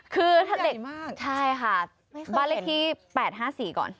คือถ้ามันใหญ่มากใช่ค่ะบ้านเลขทีแปดห้าสี่ก่อน